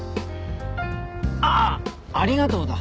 ああ「ありがとう」だ！